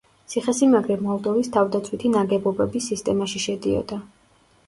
ციხესიმაგრე მოლდოვის თავდაცვითი ნაგებობების სისტემაში შედიოდა.